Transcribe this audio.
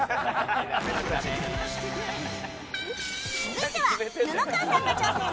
続いては布川さんが挑戦。